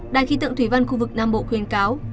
đài khí tượng thủy văn khu vực nam bộ khuyên cáo